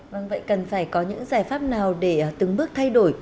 vâng vậy cần phải có những giải pháp nào để từng bước thay đổi